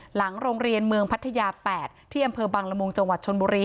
หลังโรงเรียนเมืองพัทยา๘ที่อำเภอบังละมุงจังหวัดชนบุรี